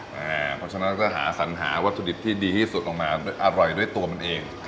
เพราะฉะนั้นก็หาสัญหาวัตถุดิบที่ดีที่สุดออกมาอร่อยด้วยตัวมันเอง